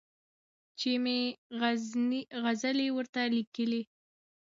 چي مي غزلي ورته لیکلې